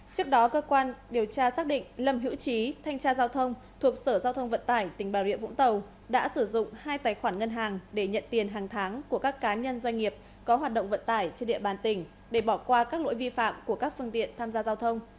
mở rộng vụ án đưa và nhận hối lộ liên quan đến các đội thanh tra giao thông thuộc sở giao thông vận tải tỉnh bà rịa vũng tàu đã sử dụng hai tài khoản ngân hàng để nhận tiền hàng tháng của các cá nhân doanh nghiệp có hoạt động vận tải trên địa bàn tỉnh để bỏ qua các lỗi vi phạm của các phương tiện tham gia giao thông